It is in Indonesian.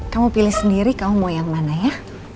kamu pilih sendiri kamu mau yang mana ya